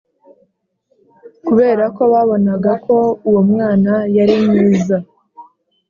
kubera ko babonaga ko uwo mwana yari mwiza